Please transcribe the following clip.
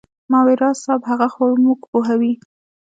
ما وې راز صاحب هغه خو موږ پوهوي.